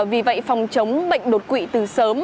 vì vậy phòng chống bệnh đột quỵ từ sớm